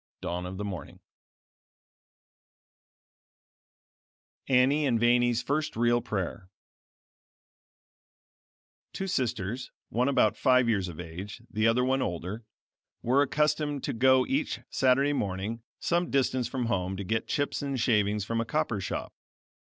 Dawn of the Morning ANNIE AND VANIE'S FIRST REAL PRAYER Two sisters, one about five years of age, the other one older, were accustomed to go each Saturday morning, some distance from home, to get chips and shavings from a cooper shop.